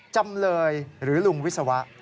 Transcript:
จำเลยหรือลุงวิศวะ